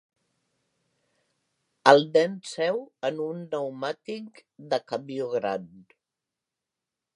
El nen seu en un pneumàtic de camió gran